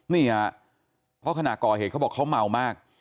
นี่ฮะเพราะขณะก่อเหตุเขาบอกเขาเมามาก